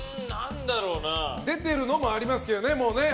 出ているのもありますけどね。